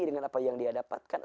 dengan apa yang dia dapatkan